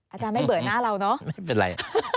อาจารย์ไม่เบื่อหน้าเราเนอะไม่เป็นไร